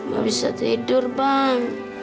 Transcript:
gua bisa tidur bang